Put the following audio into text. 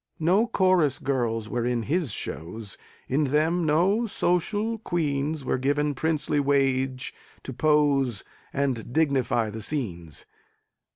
No chorus girls were in his shows; In them no "social queens" Were given princely wage to pose And dignify the scenes.